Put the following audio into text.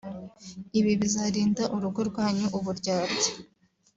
ibi bizarinda urugo rwanyu uburyarya